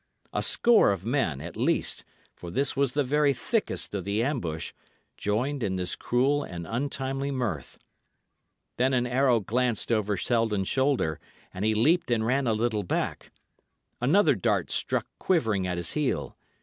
A score of men, at least, for this was the very thickest of the ambush, joined in this cruel and untimely mirth. Then an arrow glanced over Selden's shoulder; and he leaped and ran a little back. Another dart struck quivering at his heel.